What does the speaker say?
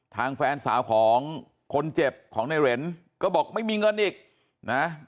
ทางแฟนสาวของคนเจ็บของในเหรนก็บอกไม่มีเงินอีกนะ